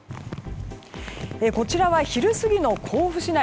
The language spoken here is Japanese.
こちらは昼過ぎの甲府市内。